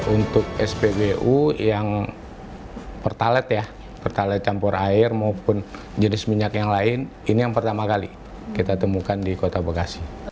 untuk spbu yang pertalite ya pertalite campur air maupun jenis minyak yang lain ini yang pertama kali kita temukan di kota bekasi